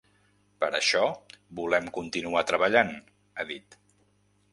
“Per això volem continuar treballant”, ha dit.